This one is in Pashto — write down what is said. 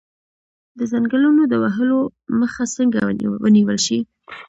د ځنګلونو د وهلو مخه څنګه ونیول شي؟